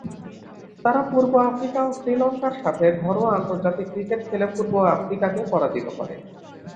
তারা পূর্ব আফ্রিকা ও শ্রীলঙ্কার সাথে ঘরোয়া আন্তর্জাতিক ক্রিকেট খেলে পূর্ব আফ্রিকাকে পরাজিত করে।